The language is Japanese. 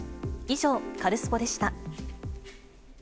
以上、カルスポっ！でした。